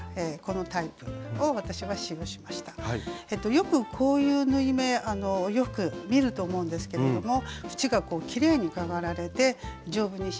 よくこういう縫い目お洋服で見ると思うんですけれども縁がきれいにかがられて丈夫に仕上がります。